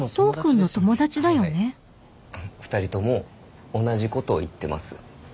２人とも同じことを言ってます。